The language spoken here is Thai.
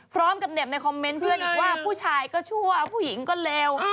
พร้อมกับเห็บในคอมเมนต์เพื่อนอีกว่าผู้ชายก็ชั่วผู้หญิงก็เร็ว